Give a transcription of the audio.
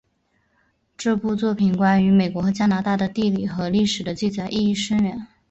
这部作品关于美国和加拿大的地理和历史的记载意义深远。